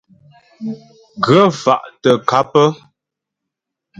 Ghə̀ fà' tə ŋkâp.